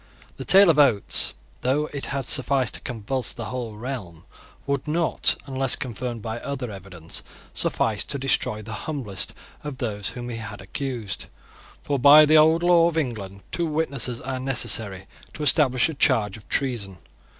The tale of Oates, though it had sufficed to convulse the whole realm, would not, unless confirmed by other evidence, suffice to destroy the humblest of those whom he had accused. For, by the old law of England, two witnesses are necessary to establish a charge of treason.